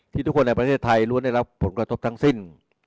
ทุกคนในประเทศไทยล้วนได้รับผลกระทบทั้งสิ้น